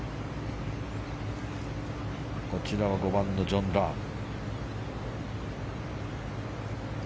こちらは５番のジョン・ラーム。